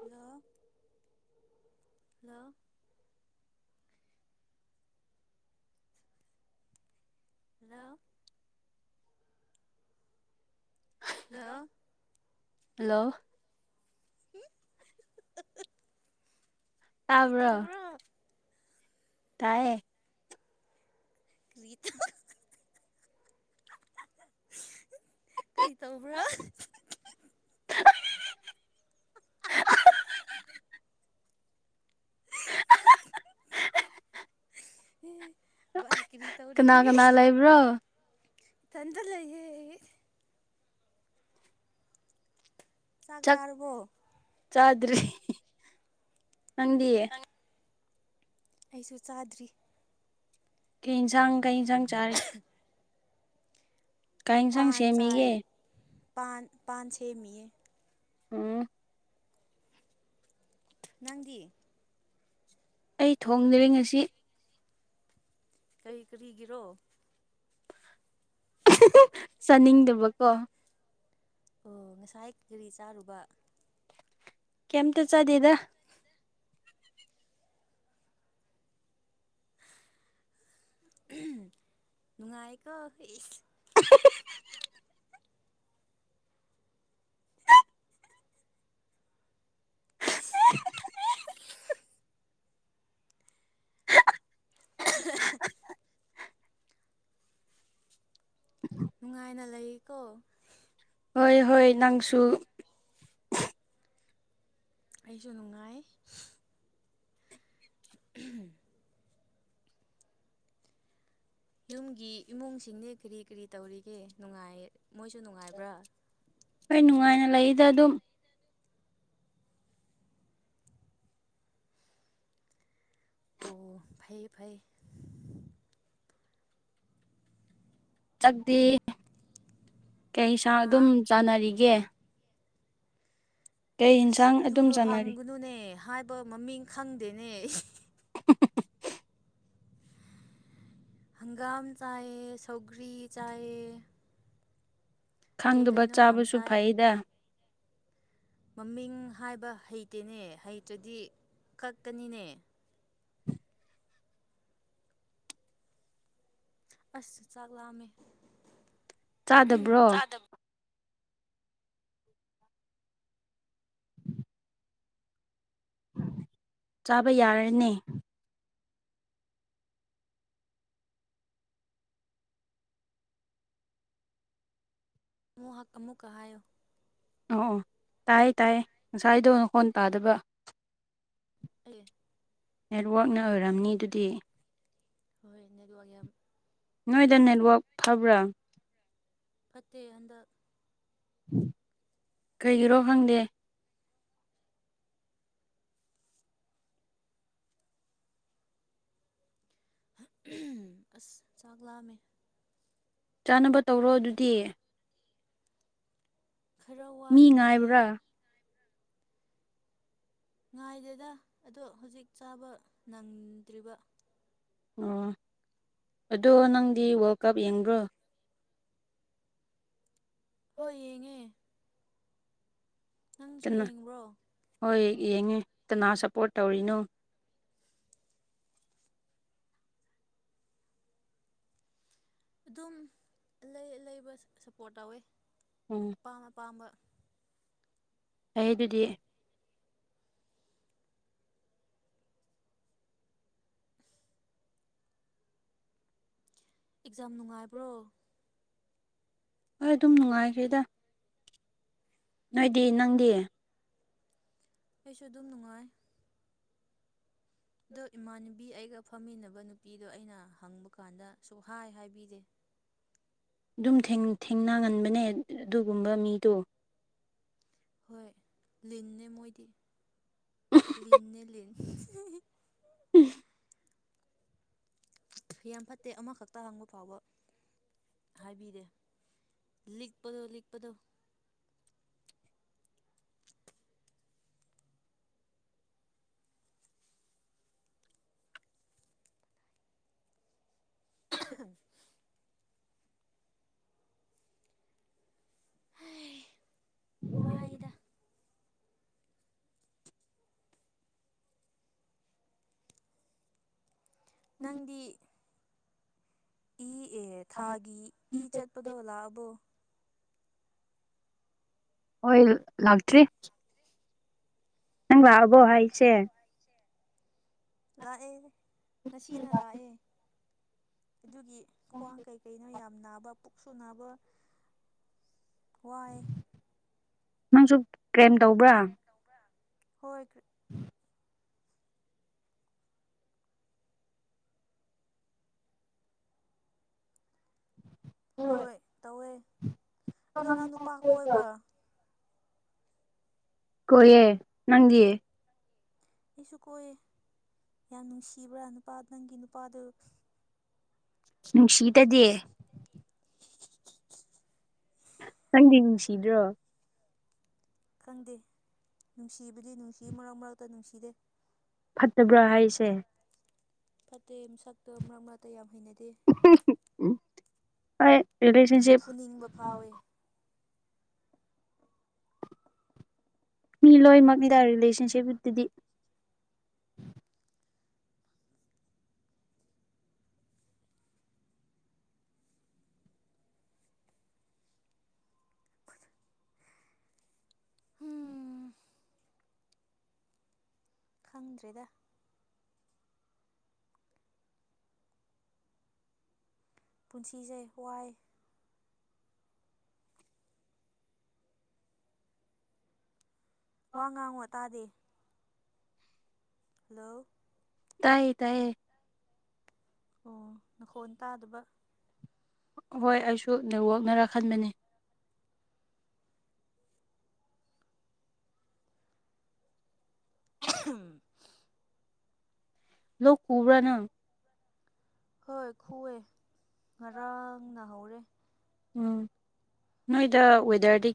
hello hello hello hello hello ꯍꯨꯝ [unintelligible] ꯀ꯭ꯔꯤ ꯇꯥꯕ꯭ꯔꯣ ꯇꯧꯕ꯭ꯔꯥ ꯇꯥꯏꯌꯦ ꯀ꯭ꯔꯤ ꯇꯧ [unintelligible] [unintelligible] ꯀ꯭ꯔꯤ ꯇꯧꯕ꯭ꯔꯥ [unintelligible] ꯑꯦ ꯕꯥꯏ ꯀꯔꯤ ꯀꯅꯥ ꯇꯧꯔꯤꯒꯦ ꯀꯅꯥ ꯂꯩꯕ꯭ꯔꯣ ꯏꯊꯟꯗ ꯂꯩꯌꯦ ꯆꯥꯛ ꯆꯥꯔꯕꯣ ꯆꯗ꯭ꯔꯤ ꯅꯪꯗꯤ ꯑꯩꯁꯨ ꯆꯥꯗ꯭ꯔꯤ ꯀꯩ ꯏꯟꯁꯥꯡ ꯀꯩ ꯏꯟꯁꯥꯡ ꯆꯥꯔꯦ ꯀꯩ ꯌꯦꯟꯁꯥꯡ ꯄꯥꯟ ꯆꯥꯏ ꯁꯦꯝꯃꯤꯒꯦ ꯄꯥꯟ ꯄꯥꯟ ꯁꯦꯝꯃꯤꯌꯦ ꯎꯝ ꯅꯪꯗꯤ ꯑꯩ ꯊꯣꯡꯗꯔ‌ꯦ ꯉꯁꯤ ꯀꯩ ꯀꯔꯤꯒꯤꯔꯣ ꯆꯥꯅꯤꯡꯗꯕꯀꯣ ꯑꯣ ꯉꯁꯥꯏ ꯀꯔꯤ ꯆꯥꯔꯨꯕ ꯀꯩꯝꯇ ꯆꯥꯗꯦꯗ ꯅꯨꯡꯉꯥꯏ ꯀꯣ ꯢꯁ [unintelligible] [unintelligible] ꯅꯨꯡꯉꯥꯏꯅ ꯂꯩꯀꯣ ꯍꯣꯏ ꯍꯣꯏ ꯅꯪꯁꯨ ꯑꯩꯁꯨ ꯅꯨꯡꯉꯥꯏ [unintelligible] ꯌꯨꯝꯒꯤ ꯏꯃꯨꯡꯁꯤꯡꯗꯤ ꯀꯔꯤ ꯀꯔꯤ ꯇꯧꯔꯤꯒꯦ ꯅꯨꯡꯉꯥꯏ ꯃꯣꯏꯁꯨ ꯅꯨꯡꯉꯥꯏꯕ꯭ꯔꯥ ꯍꯣꯏ ꯅꯨꯡꯉꯥꯏꯅ ꯂꯩꯗ ꯑꯗꯨꯝ ꯑꯣ ꯐꯩ ꯐꯩ ꯆꯥꯛꯇꯤ ꯀꯩꯁꯥ ꯍꯥ ꯑꯗꯨꯝ ꯆꯥꯟꯅꯔꯤꯒꯦ ꯑꯁ ꯌꯦꯟꯁꯥꯡ ꯑꯗꯨꯝ ꯑꯗꯨꯗꯣ ꯆꯥꯅꯔꯤ ꯍꯪꯒꯅꯨꯅꯦ ꯍꯥꯏꯕ ꯃꯃꯤꯡ ꯈꯪꯗꯦꯅꯦ [unintelligible] ꯍꯪꯒꯥꯝ ꯆꯥꯏꯌ‌ꯦ ꯁꯧꯒ꯭ꯔꯤ ꯆꯥꯏꯌ‌ꯦ ꯈꯪꯗꯕ ꯌꯥꯝ ꯆꯥꯕꯁꯨ ꯆꯥꯏ ꯐꯩꯗ ꯃꯃꯤꯡ ꯍꯥꯏꯕ ꯍꯩꯇꯦꯅꯦ ꯍꯩꯇ꯭ꯔꯗꯤ ꯀꯛꯀꯅꯤꯅꯦ ꯑꯁ ꯆꯥꯛ ꯂꯥꯝꯃꯦ ꯆꯥꯗꯕ꯭ꯔꯣ ꯆꯥꯗꯕ [inaudible] ꯆꯥꯕ ꯌꯥꯔꯅꯤ ꯃꯨ ꯍꯛ ꯑꯃꯨꯛꯀ ꯍꯥꯏꯌ‌ꯣ ꯑꯣ ꯑꯣ ꯇꯥꯏꯌꯦ ꯇꯥꯏꯌꯦ ꯉꯁꯥꯏꯗꯣ ꯅꯈꯣꯟ ꯇꯥꯗꯕ ꯑꯩ ꯅꯦꯠꯋꯥꯛꯅ ꯑꯣꯏꯔꯝꯅꯤ ꯑꯗꯨꯗꯤ ꯍꯣꯏ ꯅꯦꯠꯋꯥꯛ ꯌꯥꯝ ꯅꯣꯏꯗ ꯐꯠꯇꯦ ꯅꯦꯠꯋꯥꯛ ꯐꯕ꯭ꯔꯥ ꯐꯠꯇꯦ ꯍꯟꯗꯛ ꯀꯩꯒꯤꯔꯣ ꯈꯪꯗꯦ ꯑꯁ ꯆꯥꯛ ꯂꯥꯝꯃꯦ ꯆꯥꯅꯕ ꯇꯧꯔꯣ ꯑꯗꯨꯗꯤ ꯈꯔ ꯃꯤ ꯋꯥꯠꯂꯤꯌꯦ ꯉꯥꯏꯕ꯭ꯔꯥ ꯉꯥꯏꯗꯦꯗ ꯑꯗꯣ ꯍꯧꯖꯤꯛ ꯆꯥꯕ ꯅꯪꯗ꯭ꯔꯤꯕ ꯑꯣ ꯑꯗꯣ ꯅꯪꯗꯤ ꯋꯥꯔꯜ ꯀꯞ ꯌꯦꯡꯕ꯭ꯔꯣ ꯍꯣꯏ ꯌꯦꯡꯉꯦ ꯅꯪꯁꯨ ꯀꯅꯥ ꯌꯦꯡꯕ꯭ꯔꯣ ꯍꯣꯏ ꯌꯦꯡꯉꯦ ꯀꯅꯥ ꯁꯞꯄꯣꯔꯠ ꯇꯧꯔꯤꯅꯣ ꯑꯗꯨꯝ ꯂꯩ ꯂꯩꯕ ꯁꯞꯄꯣꯔꯠ ꯇꯧꯋꯦ ꯎꯝ ꯑꯄꯥꯝ ꯑꯄꯥꯝꯕ ꯑꯩ ꯑꯗꯨꯗꯤ [unintelligible] ꯑꯦꯛꯖꯥꯝ ꯅꯨꯡꯉꯥꯏꯕ꯭ꯔꯣ ꯍꯣꯏ ꯑꯗꯨꯝ ꯅꯨꯡꯉꯥꯏꯈ꯭ꯔꯦꯗ ꯅꯣꯏꯗꯤ ꯅꯪꯗꯤ ꯑꯩꯁꯨ ꯑꯗꯨꯝ ꯅꯨꯡꯉꯥꯏ ꯑꯗꯣ ꯏꯃꯥꯟꯅꯕꯤ ꯑꯩꯒ ꯐꯝꯃꯤꯟꯅꯕ ꯅꯨꯄꯤꯗꯣ ꯑꯩꯅ ꯍꯪꯕ ꯀꯥꯟꯗ ꯁꯨꯡ ꯍꯥꯏ ꯍꯥꯏꯕꯤꯗꯦ ꯑꯗꯨꯝ ꯊꯦꯡꯅꯒꯟꯕꯅꯦ ꯑꯗꯨꯒꯨꯝꯕ ꯃꯤꯗꯣ ꯍꯣꯏ ꯂꯤꯟꯅꯦ ꯃꯣꯏꯗꯤ ꯂꯤꯟꯅꯦ ꯂꯤꯟ ꯎꯝ ꯌꯥꯝ ꯐꯠꯇꯦ ꯑꯃꯈꯛꯇ ꯍꯪꯕ ꯐꯥꯎꯕ ꯍꯥꯏꯕꯤꯗꯦ ꯂꯤꯛꯄꯗꯣ ꯂꯤꯛꯄꯗꯣ ꯎꯝ [inaudible] ꯋꯥꯏꯗ ꯅꯪꯗꯤ ꯏ ꯑꯦ ꯊꯥꯒꯤ ꯏ ꯆꯠꯄꯗꯣ ꯂꯥꯛꯑꯕꯣ ꯍꯣꯏ ꯂꯥꯛꯇ꯭ꯔꯤ [unintelligible] ꯅꯪ ꯂꯥꯛꯑꯕꯣ ꯍꯥꯏꯁꯦ ꯂꯥꯛꯑꯦ ꯉꯁꯤꯅ ꯂꯥꯛꯑꯦ ꯑꯗꯨꯒꯤ ꯈ꯭ꯋꯥꯡ ꯀꯩ ꯀꯩꯅꯣ ꯌꯥꯝ ꯅꯥꯕ ꯄꯨꯛꯁꯨ ꯅꯥꯕ ꯋꯥꯏ ꯅꯪꯁꯨ ꯀ꯭ꯔꯦꯝ ꯇꯧꯕ꯭ꯔꯥ ꯍꯣꯏ [unintelligible] ꯍꯣꯏ ꯇꯧꯋꯦ ꯑꯗꯣ ꯅꯪ ꯅꯨꯄꯥ ꯀꯣꯏꯕ꯭ꯔꯥ ꯀꫭꯏꯌ‌ꯦ ꯅꯪꯗꯤ ꯑꯩꯁꯨ ꯀꯣꯏꯌꯦ ꯌꯥꯝ ꯅꯨꯡꯁꯤꯕ꯭ꯔꯥ ꯅꯨꯄꯥ ꯅꯪꯒꯤ ꯅꯨꯄꯥꯗꯨ ꯅꯨꯡꯁꯤꯇꯗꯤ ꯅꯪꯗꯤ ꯅꯨꯡꯁꯤꯗ꯭ꯔꯣ ꯈꯪꯗꯦ ꯅꯨꯡꯁꯤꯕꯗꯤ ꯅꯨꯡꯁꯤ ꯃꯔꯛ ꯃꯔꯛꯇ ꯅꯨꯡꯁꯤꯗꯦ ꯐꯠꯇꯕ꯭ꯔꯥ ꯍꯥꯏꯁꯦ ꯐꯠꯇꯦ ꯁꯛꯇꯣ ꯃꯔꯛ ꯃꯔꯛꯇ ꯌꯥꯝ ꯍꯩꯅꯗꯦ ꯍ ꯏꯂꯁꯟꯁꯤꯞ [inaudible] ꯐꯨꯅꯤꯡꯕ ꯐꯥꯎꯋꯦ ꯃꯤ ꯂꯣꯏꯅꯃꯛꯅꯤꯗ ꯔꯤꯂꯦꯁꯟꯁꯤꯞꯀꯤ ꯇꯗꯤ ꯎꯝ ꯈꯪꯗ꯭ꯔꯦꯗ ꯄꯨꯟꯁꯤꯁꯦ ꯋꯥꯏ ꯋꯥ ꯉꯥꯡꯕꯒ ꯇꯥꯗꯦ ꯍꯜꯂꯣ ꯇꯥꯏꯌꯦ ꯇꯥꯏꯌꯦ ꯑꯣ ꯅꯈꯣꯟ ꯇꯥꯗꯕ ꯍꯣꯏ ꯑꯩꯁꯨ ꯅꯦꯠꯋꯥꯛꯅꯔ ꯈꯟꯕꯅꯤ ꯎꯝ [inaudible] ꯂꫭꯛ ꯈꯨꯕ꯭ꯔꯥ ꯅꯪ ꯍꯣꯏ ꯈꯨꯑꯦ ꯉꯔꯥꯡ ꯅꯍꯧꯔꯦ ꯎꯝ ꯅꯣꯏꯗ ꯋꯦꯗꯔꯗꯤ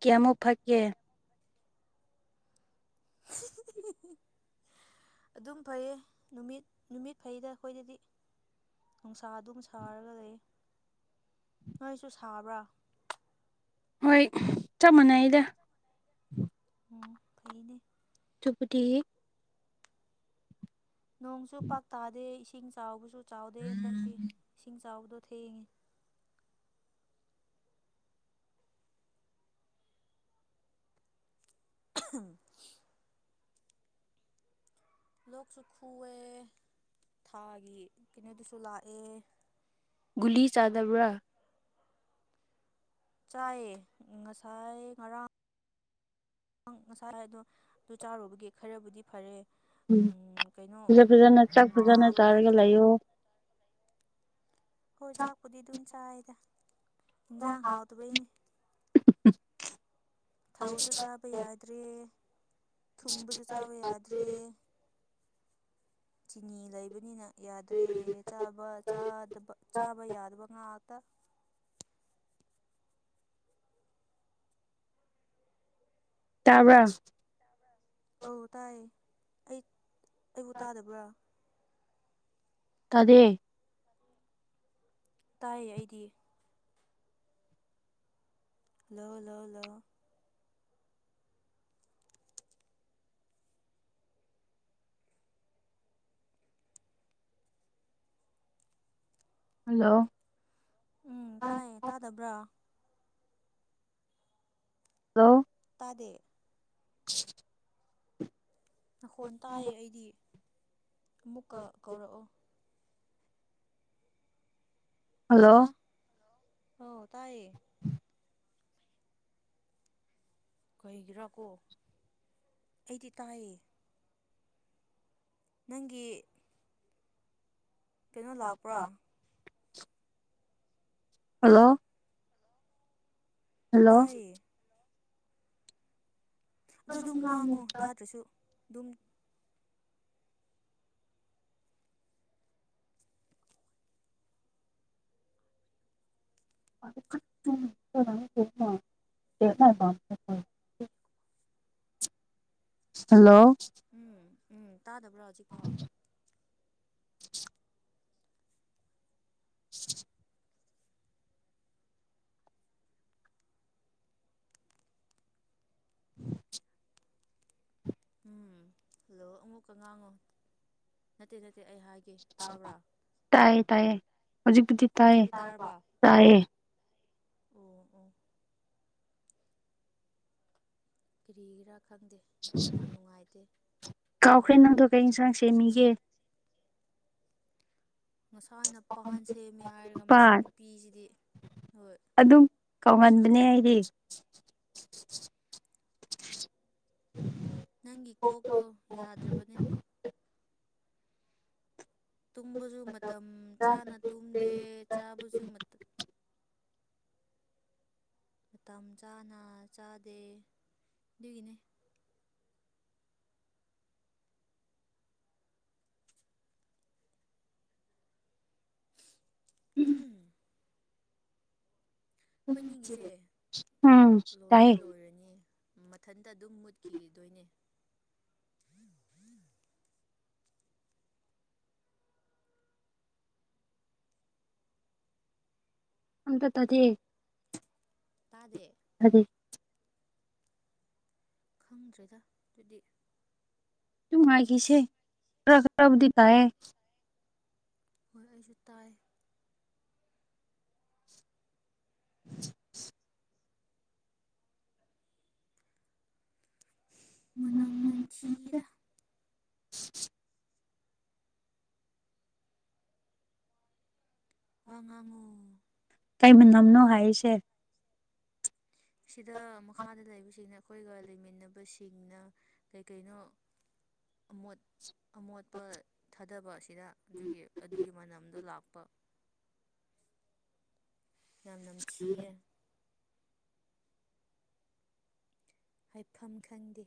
ꯀꯌꯥꯃꯨꯛ ꯐꯛꯀꯦ [inaudible] ꯑꯗꯨꯝ ꯐꯩꯌꯦ ꯅꯨꯃꯤꯠ ꯅꯨꯃꯤꯠ ꯐꯩꯗ ꯑꯩꯈꯣꯏꯗꯗꯤ ꯅꯨꯡꯁꯥ ꯑꯗꯨꯝ ꯁꯥꯔꯒ ꯂꯩ ꯅꯣꯏꯁꯨ ꯁꯥꯕ꯭ꯔꯥ ꯍꯣꯏ ꯆꯞ ꯃꯥꯟꯅꯩꯗ ꯎꯝ ꯐꯩꯅꯦ ꯆꯨꯄꯇꯤ ꯅꯣꯡꯁꯨ ꯄꯥꯛ ꯇꯥꯗꯦ ꯏꯁꯤꯡ ꯆꯥꯎꯕꯁꯨ ꯆꯥꯎꯗꯦ ꯍꯟꯗꯛꯇꯤ ꯏꯁꯤꯡ ꯆꯥꯎꯕꯗꯣ ꯊꯦꯡꯉꯤ ꯎꯪ [unintelligible] ꯂꯣꯛꯁꯨ ꯈꯨꯑꯦ ꯊꯥꯒꯤ ꯀꯩꯅꯣꯗꯨꯁꯨ ꯂꯥꯛꯑꯦ ꯒꯨꯂꯤ ꯆꯥꯗꯕ꯭ꯔꯥ ꯆꯥꯏꯌꯦ ꯉꯁꯥꯏ ꯉꯔꯥꯡ ꯪ ꯉꯁꯥꯏ ꯑꯗꯣ ꯑꯗꯨ ꯆꯥꯔꯨꯕꯒ ꯈꯔꯕꯨꯗꯤ ꯐꯔꯦ ꯎꯝ ꯀꯩꯅꯣ ꯅꯥꯕꯗꯣ ꯍꯌꯣ ꯍꯣꯏ ꯆꯥꯛꯄꯨꯗꯤ ꯑꯗꯨꯝ ꯆꯥꯏꯗ ꯏꯟꯖꯥꯡ ꯍꯥꯎꯗꯕꯩꯅꯦ ꯎ ꯊꯥꯎꯁꯨ ꯆꯥꯕ ꯌꯥꯗ꯭ꯔꯦ ꯊꯨꯝꯕꯁꯨ ꯆꯥꯕ ꯌꯥꯗ꯭ꯔꯦ ꯆꯤꯅꯤ ꯂꯩꯕꯅꯤꯅ ꯌꯥꯗ꯭ꯔꯦ ꯆꯥꯕꯗꯕ ꯆꯥꯕ ꯌꯥꯗꯕ ꯉꯥꯛꯇ ꯇꯥꯕ꯭ꯔꯥ ꯑꯧ ꯇꯥꯏꯌꯦ ꯑꯩ ꯑꯩꯕꯨ ꯇꯥꯗꯕ꯭ꯔꯥ ꯇꯗꯦ ꯇꯥꯏꯌꯦ ꯑꯩꯗꯤ ꯍꯜꯂꯣ ꯂꯣꯂꯣ ꯍꯜꯂꯣ ꯎꯝ ꯇꯥꯏꯌꯦ ꯍꯜꯂꯣ ꯇꯥꯗꯕ꯭ꯔꯥ ꯍꯜꯂꯣ ꯇꯥꯗꯦ [unintelligible] ꯅꯈꯣꯟ ꯇꯥꯏꯌꯦ ꯑꯩꯗꯤ ꯑꯃꯨꯛꯀ ꯀꯧꯔꯛꯑꯣ ꯍꯜꯂꯣ ꯍꯥꯥ ꯍ ꯇꯥꯏꯌꯦ ꯀꯩꯒꯤꯔꯥꯀꯣ ꯑꯩꯗꯤ ꯇꯥꯏꯌꯦ ꯅꯪꯒꯤ ꯀꯩꯅꯣ ꯂꯥꯛꯄ꯭ꯔꯥ ꯍꯜꯂꯣ ꯍꯜꯂꯣ ꯍꯜꯂꯣ ꯇꯥꯏꯌꯦ ꯑꯗꯣ ꯑꯗꯨꯝ ꯉꯥꯡꯉꯨ ꯇꯥꯗ꯭ꯔꯁꯨ ꯑꯗꯨꯝ ꯃꯃ [unintelligible] ꯎꯝ [unintelligible] ꯍꯜꯂꯣ ꯎꯝ ꯎꯝ ꯇꯥꯗꯕ꯭ꯔꯣ ꯍꯧꯖꯤꯛꯐꯥꯎ [unintelligible] [unintelligible] ꯎꯝ ꯍꯜꯂꯣ ꯑꯃꯨꯛꯀꯉꯥꯉꯣ ꯅꯠꯇꯦ ꯅꯠꯇꯦ ꯑꯩ ꯍꯥꯏꯒꯦ ꯇꯥꯕ꯭ꯔꯥ ꯇꯌꯦ ꯇꯌꯦ ꯍꯧꯖꯤꯛꯗꯤ ꯇꯌꯦ ꯍꯧꯖꯤꯛꯇꯤ ꯇꯥꯔꯕ ꯇꯌꯦ ꯑꯣ ꯑꯣ ꯀꯔꯤꯒꯤꯔꯥ ꯈꯪꯗꯦ ꯌꯥꯝ ꯅꯨꯡꯉꯥꯏꯇꯦ ꯀꯥꯎꯈ꯭ꯔꯦ ꯅꯪꯗꯣ ꯀꯩ ꯌꯦꯟꯁꯥꯡ ꯁꯦꯝꯃꯤꯒꯦ ꯉꯁꯥꯏꯅ ꯄꯥꯟ ꯁꯦꯝꯃꯦ ꯍꯥꯏꯔꯒ ꯃꯁꯤ ꯄꯥꯠ ꯅꯨꯄꯤꯁꯤꯗꯤ ꯍꯣꯏ ꯑꯗꯨꯝ ꯀꯧꯍꯟꯕꯅꯦ ꯑꯩꯗꯤ [inaudible] ꯅꯪꯒꯤ ꯀꯣꯛꯇꯣ ꯌꯥꯗ꯭ꯔꯕꯅꯦ ꯇꯨꯝꯕꯁꯨ ꯃꯇꯝ ꯆꯥꯅ ꯇꯨꯝꯗꯦ ꯆꯥꯕꯁꯨ ꯃꯇꯝ ꯆꯥꯅ ꯆꯥꯗꯦ ꯑꯗꯨꯒꯤꯅꯦ ꯎꯝ ꯑꯩꯈꯣꯏꯅꯤꯒꯤꯁꯦ ꯎꯝ ꯂꯣꯏꯗꯤ ꯇꯥꯏꯌꯦ ꯂꯣꯏꯔꯅꯤ ꯃꯊꯟꯇ ꯑꯗꯨꯝ ꯃꯨꯠꯈꯤꯈꯤꯗꯣꯏꯅꯦ ꯃꯨꯊꯠꯇꯗꯤ ꯇꯥꯗꯦ [unintelligible] ꯈꯪꯗ꯭ꯔꯦꯗ ꯑꯗꯨꯗꯤ ꯇꯨ ꯃꯥꯥꯏꯒꯤꯁꯦ ꯔꯛꯕꯗꯤ ꯇꯌꯦ ꯍꯣꯏ ꯑꯩꯁꯨ ꯇꯥꯏ [inaudible] ꯃꯅꯝ ꯅꯝꯊꯤꯗ ꯋꯥꯉꯥꯡꯉꯨ ꯀꯩꯃꯅꯝꯅꯣ ꯍꯥꯏꯔꯤꯁꯦ ꯁꯤꯗ ꯃꯈꯥꯗ ꯂꯩꯕꯁꯤꯡꯅ ꯑꯩꯈꯣꯏꯒ ꯂꯩꯃꯤꯟꯅꯕꯁꯤꯡꯅ ꯀꯩꯀꯩꯅꯣ ꯑꯃꯣꯠ ꯑꯃꯣꯠꯄ ꯊꯥꯗꯕ ꯑꯁꯤꯗ ꯑꯗꯨꯒꯤ ꯑꯗꯨꯒꯤ ꯃꯅꯝꯗꯣ ꯂꯥꯛꯄ ꯌꯥꯝ ꯅꯝꯊꯤꯌꯦ ꯍꯥꯏꯐꯝ ꯈꯪꯗꯦ